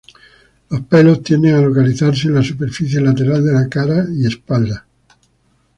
Los pelos tienden a localizarse en la superficie lateral de la cara y espalda.